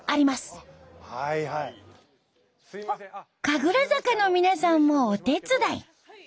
神楽坂の皆さんもお手伝い。